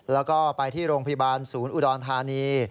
แล้วก็ไปที่โรงพยาบาลศูนย์อุดรธานี